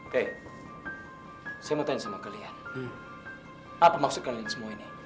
oke saya mau tanya sama kalian apa maksud kalian semua ini